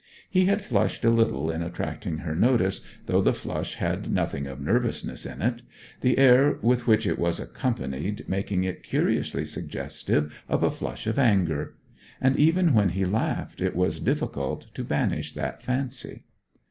He had flushed a little in attracting her notice, though the flush had nothing of nervousness in it the air with which it was accompanied making it curiously suggestive of a flush of anger; and even when he laughed it was difficult to banish that fancy.